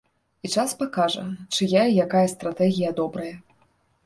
І час пакажа, чыя і якая стратэгія добрая.